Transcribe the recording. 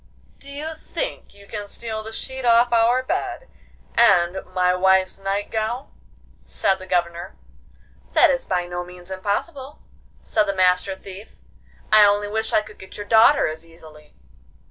'Do you think you can steal the sheet off our bed, and my wife's night gown?' said the Governor. 'That is by no means impossible,' said the Master Thief. 'I only wish I could get your daughter as easily.